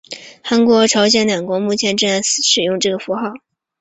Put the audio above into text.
韩国和朝鲜两国目前正在使用这个符号。